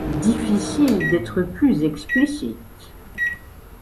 Difficile d'être plus explicite.